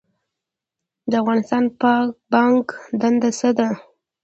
د افغانستان بانک دنده څه ده؟